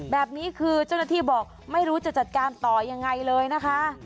แบบนี้คือเจ้าหน้าที่บอกไม่รู้จะจัดการต่อยังไงเลยนะคะ